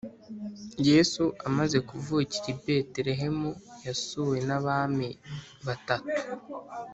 Yesu amaze kuvukira i Betelehemu yasuwe n’abami batatu